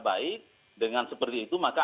baik dengan seperti itu maka